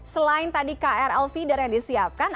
selain tadi krl feeder yang disiapkan